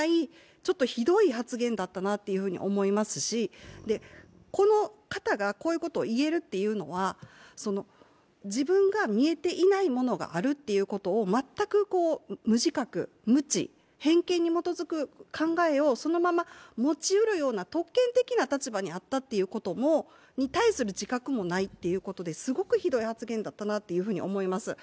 ちょっとひどい発言だったなというふうに思いますしこの方がこういうことを言えるというのは、自分が見えていないものがあるということを全く無自覚、無知、偏見に基づく考えをそのまま持ちうるような特権的な立場にあったことに対する自覚もないということで、すごくひどい発言だったなと思います。